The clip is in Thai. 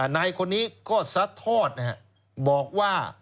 นายคนนี้ก็ซัดทอดบอกว่า